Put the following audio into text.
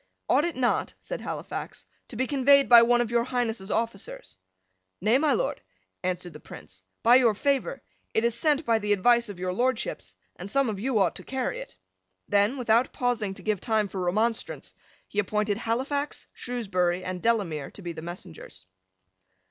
"Ought it not," said Halifax, "to be conveyed by one of your Highness's officers?" "Nay, my Lord," answered the Prince; "by your favour, it is sent by the advice of your Lordships, and some of you ought to carry it." Then, without pausing to give time for remonstrance, he appointed Halifax, Shrewsbury, and Delamere to be the messengers.